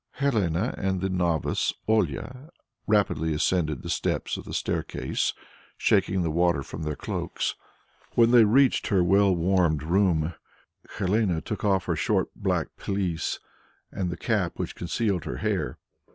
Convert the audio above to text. Helene and the novice Olia rapidly ascended the steps of the staircase, shaking the water from their cloaks. When they reached her well warmed room, Helene took off her short black pelisse and the cap which concealed her hair.